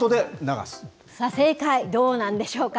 さあ、正解、どうなんでしょうか。